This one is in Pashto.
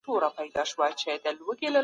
ايا سياست يوازې په دولت پورې اړه لري؟